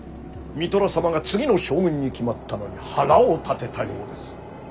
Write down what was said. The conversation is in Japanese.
三寅様が次の将軍に決まったのに腹を立てたようです。